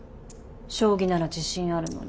将棋なら自信あるのに。